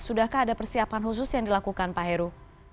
sudahkah ada persiapan khusus yang dilakukan pak heru